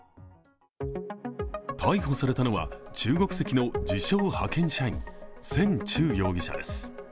逮捕されたのは中国籍の自称・派遣社員、宣柱容疑者です。